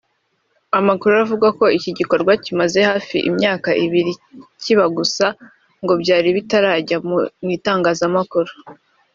Amakuru avugwa ko iki gikorwa kimaze hafi imyaka ibiri kiba gusa ngo byari bitarajya mu itangazamakuru